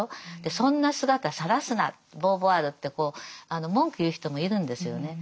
そんな姿さらすなボーヴォワールってこう文句言う人もいるんですよね。